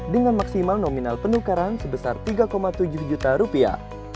dengan maksimal nominal penukaran sebesar tiga tujuh juta rupiah